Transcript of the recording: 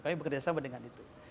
kami bekerja sama dengan itu